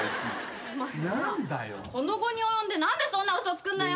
お前なこの期に及んで何でそんな嘘つくんだよ。